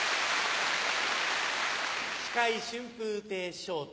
司会春風亭昇太